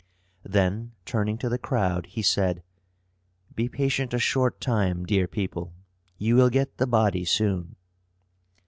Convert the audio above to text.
Then, turning to the crowd, he said, "Be patient a short time, dear people. Ye will get the body soon."